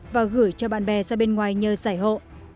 và gửi cho bạn bè ra bên ngoài nhờ giải hộ